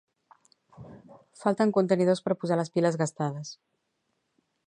Falten contenidors per posar les piles gastades